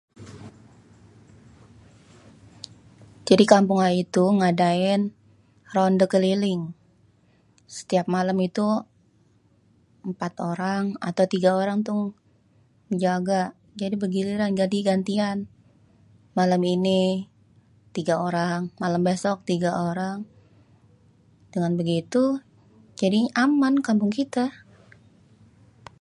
Jadi kampung ayé tuh ngadain rondé keliling, setiap malém itu 4 orang atau 3 orang tuh jaga jadi bergiliran gantian-gantian. Malam ini 3 orang, malém besok 3 orang, dengan begitu jadinya aman kampung kita